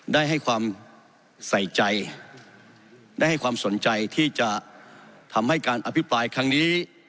ได้ให้ความใส่ใจได้ให้ความสนใจที่จะทำให้การอภิปรายครั้งนี้